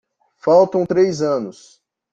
Faltam três anos